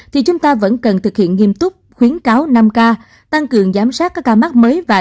thì chúng ta vẫn cần thực hiện nghiêm túc khuyến cáo năm k tăng cường giám sát các ca mắc mới và